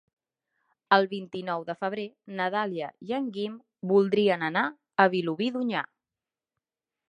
El vint-i-nou de febrer na Dàlia i en Guim voldrien anar a Vilobí d'Onyar.